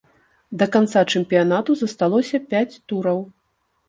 Да канца чэмпіянату засталося пяць тураў.